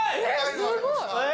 すごい！